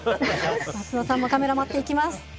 松野さんもカメラ持っていきます。